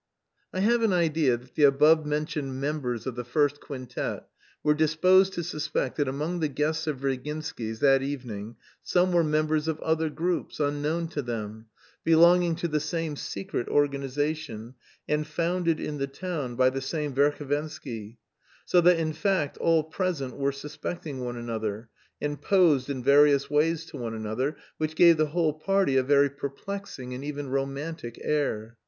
I have an idea that the above mentioned members of the first quintet were disposed to suspect that among the guests of Virginsky's that evening some were members of other groups, unknown to them, belonging to the same secret organisation and founded in the town by the same Verhovensky; so that in fact all present were suspecting one another, and posed in various ways to one another, which gave the whole party a very perplexing and even romantic air.